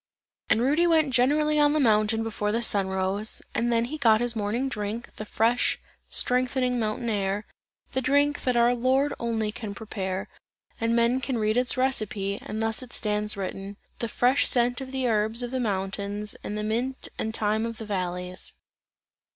And Rudy went generally on the mountain before the sun rose, and then he got his morning drink, the fresh, strengthening mountain air, the drink, that our Lord only can prepare, and men can read its recipe, and thus it stands written: "the fresh scent of the herbs of the mountains and the mint and thyme of the valleys."